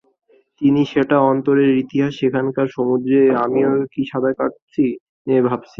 কিন্তু সেটা অন্তরের ইতিহাস, সেখানকার সমুদ্রে আমিও কি সাঁতার কাটছি নে ভাবছ।